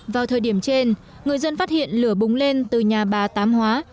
vào thời điểm trên người dân phát hiện lửa bùng lên từ nhà bà tám hóa